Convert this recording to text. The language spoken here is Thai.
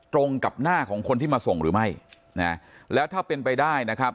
ตรงกับหน้าของคนที่มาส่งหรือไม่นะแล้วถ้าเป็นไปได้นะครับ